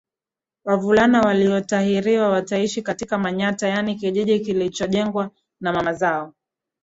wavulana waliotahiriwa wataishi katika manyatta yaani kijiji kilichojengwa na mama zao